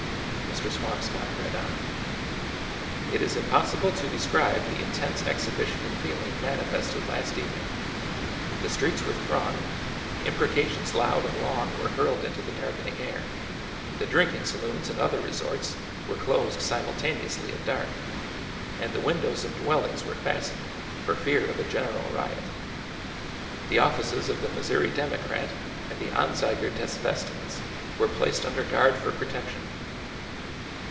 Mr. Swamscott read on : It is impossible to describe the intense exhibition of feeling manifested last evening. The streets were thronged— imprecations loud and long were hurled into the darkening air— the drinking saloons and other resorts were closed simultaneously at dark— and the windows of dwellings were fastened for fear of a general riot. The offices of the ' Missouri Democrat ^ and the ' Anzeiger des Westens ^ were placed under guard for protection."